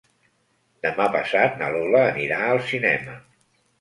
Demà passat na Lola anirà al cinema.